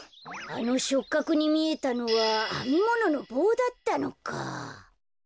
あのしょっかくにみえたのはあみもののぼうだったのか。